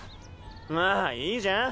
まあいいじゃん。